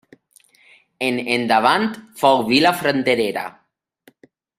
En endavant fou vila fronterera.